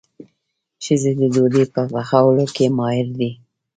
ښځې د ډوډۍ په پخولو کې ماهرې دي.